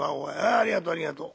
ありがとうありがとう。